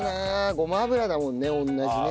ごま油だもんね同じね。